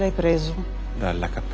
分かった。